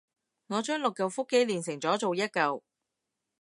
我將六舊腹肌鍊成咗做一舊